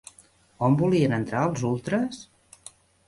On volien entrar els ultres?